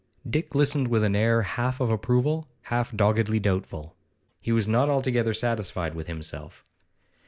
Dick listened with an air half of approval, half doggedly doubtful. He was not altogether satisfied with himself.